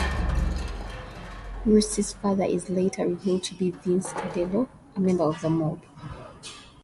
Russ's father is later revealed to be Vince Cardello, a member of the mob.